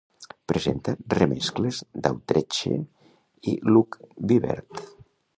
Presenta remescles d'Autechre i Luke Vibert.